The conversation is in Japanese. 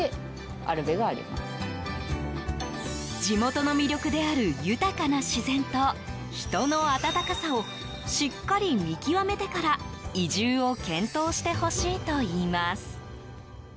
地元の魅力である豊かな自然と、人の温かさをしっかり見極めてから移住を検討してほしいといいます。